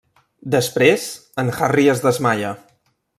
Després, en Harry es desmaia.